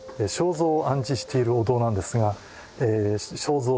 肖像を安置しているお堂なんですが肖像